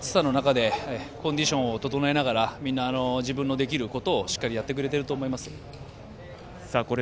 暑さの中でコンディションを整えながら自分ができることをしっかりやってくれていると思います。